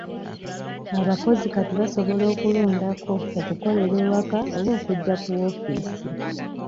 Abakozi kati basobola okulondako okukolera ewaka oba okujja ku woofiisi.